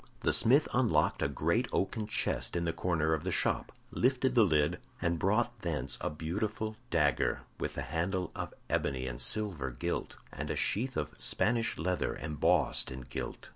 The smith unlocked a great oaken chest in the corner of the shop, lifted the lid, and brought thence a beautiful dagger with the handle of ebony and silver gilt, and a sheath of Spanish leather, embossed and gilt.